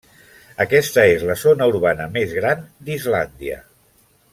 Aquesta és la zona urbana més gran d'Islàndia.